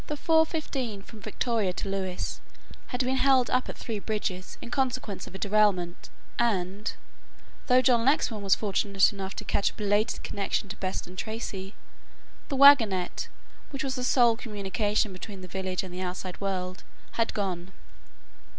15 from Victoria to Lewes had been held up at Three Bridges in consequence of a derailment and, though John Lexman was fortunate enough to catch a belated connection to Beston Tracey, the wagonette which was the sole communication between the village and the outside world had gone.